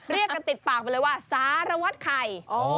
เรียกกันติดปากไปเลยว่าสารวัตรไข่